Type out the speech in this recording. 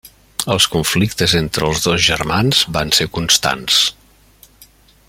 Els conflictes entre els dos germans van ser constants.